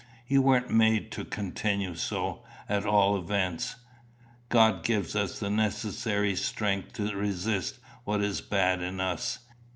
"You weren't made to continue so, at all events. God gives us the necessary strength to resist what is bad in us.